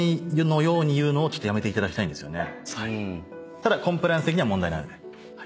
ただコンプライアンス的には問題ないので。